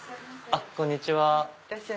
あっこんにちは。